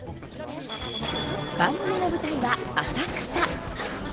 番組の舞台は「浅草」。